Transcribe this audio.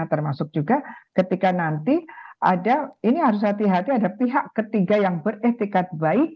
termasuk juga ketika nanti ada ini harus hati hati ada pihak ketiga yang beretikat baik